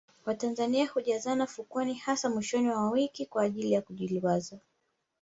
watanzania hujazana fukweni hasa mwishoni mwa wiki kwa ajili ya kujiliwaza